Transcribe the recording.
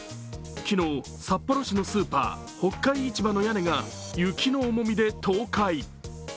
昨日、札幌市のスーパー、北海市場の屋根が雪の重みで倒壊。